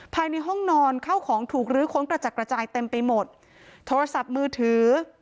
ภายในห้องนอนเข้าของถูกลื้อค้นกระจัดกระจายเต็มไปหมดโทรศัพท์มือถือ